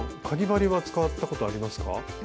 かぎ針は使ったことありますか？